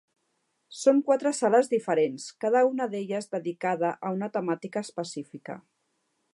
Són quatre sales diferents, cada una d’elles dedicada a una temàtica especifica.